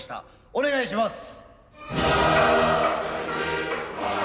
お願いします。